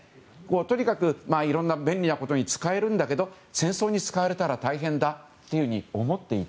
とにかくいろんな便利なことに使えるんだけど戦争に使われたら大変だと思っていた。